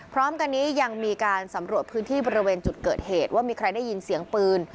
พร้อมกันนี้ยังมีการสำรวจพื้นที่บริเวณจุดเกิดเหตุว่ามีใครได้ยินเสียงปืน